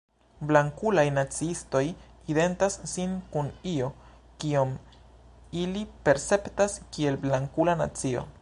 Blankulaj naciistoj identas sin kun io, kion ili perceptas kiel "blankula nacio.